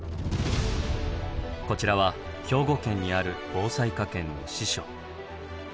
こちらは兵庫県にある防災科研の支所。